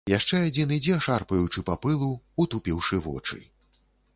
Яшчэ адзін ідзе шарпаючы па пылу, утупіўшы вочы.